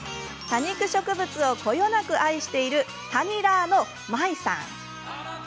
多肉植物をこよなく愛しているタニラーのＭＡｉさん。